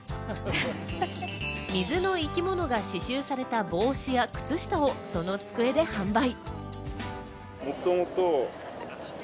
水の生き物が刺繍された帽子や、靴下をその机で販売。